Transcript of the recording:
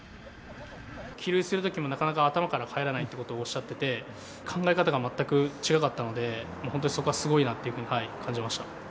帰塁するときも、なかなか頭から帰らないということをおっしゃってて、考え方が全く違かったので、本当にそこはすごいなというふうに感じました。